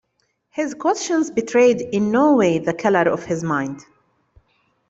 His questions betrayed in no way the colour of his mind.